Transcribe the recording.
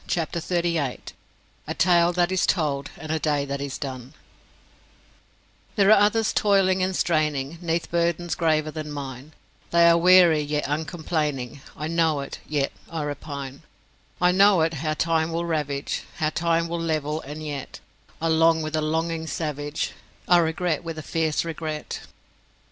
CHAPTER THIRTY EIGHT A Tale that is told and a Day that is done "There are others toiling and straining 'Neath burdens graver than mine; They are weary, yet uncomplaining, I know it, yet I repine: I know it, how time will ravage, How time will level, and yet I long with a longing savage, I regret with a fierce regret."